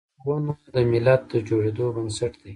ښوونه د ملت د جوړیدو بنسټ دی.